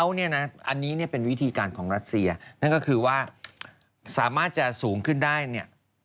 อันนี้เนี่ยเป็นวิธีการของรัสเซียนั่นก็คือว่าสามารถจะสูงขึ้นได้เนี่ย